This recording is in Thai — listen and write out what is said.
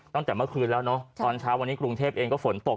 ตั้งแต่เมื่อคืนแล้วเนอะตอนเช้าวันนี้กรุงเทพเองก็ฝนตก